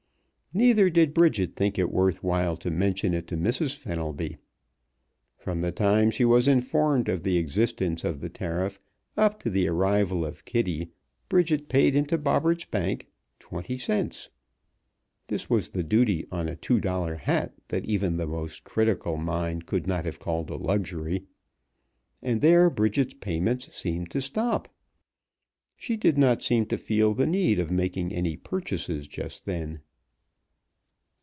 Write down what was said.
Neither did Bridget think it worth while to mention it to Mrs. Fenelby. From the time she was informed of the existence of the tariff up to the arrival of Kitty Bridget paid into Bobberts' bank twenty cents. This was the duty on a two dollar hat that even the most critical mind could not have called a luxury, and there Bridget's payments seemed to stop. She did not seem to feel the need of making any purchases just then.